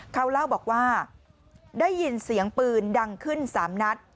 เขาเล่าบอกว่าได้ยินเสียงปืนดังขึ้น๓นัด